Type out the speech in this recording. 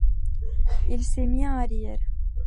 Il s’est mis à rire.